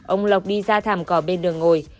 ông lộc đi ra thảm cỏ bên đường ngồi